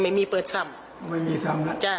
ไม่มีเปิดซ้ำ